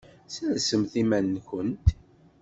Sersemt iman-nkent!